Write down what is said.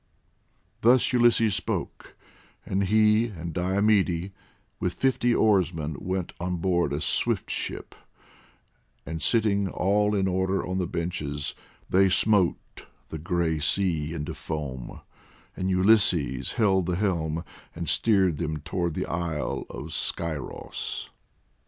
Thus Ulysses spoke, and he and Diomede, with fifty oarsmen, went on board a swift ship, and sitting all in order on the benches they smote the grey sea into foam, and Ulysses held the helm and steered them towards the isle of Scyros.